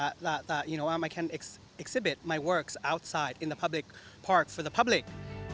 saya bisa menunjukkan karya saya di luar di park publik untuk orang orang